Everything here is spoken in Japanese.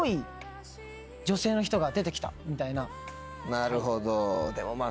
なるほど。